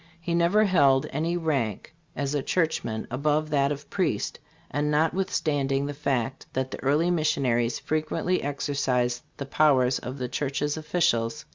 He never held any rank as a churchman above that of priest ; and notwithstanding the fact that the early missionaries frequently exercised the powers of the church's officials THE RELICS.